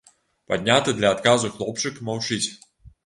Падняты для адказу хлопчык маўчыць.